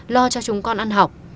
lo cho chúng con ăn học